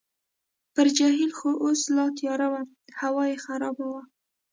پر جهیل خو اوس لا تیاره وه، هوا یې خرابه وه.